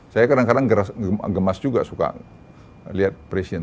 saya kadang kadang gemas juga suka lihat presiden